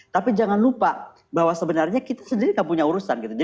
tapi jangan lupa bahwa sebenarnya kita sendiri gak punya urusan gitu